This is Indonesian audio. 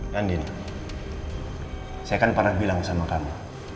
nandini saya kan pernah bilang sama kamu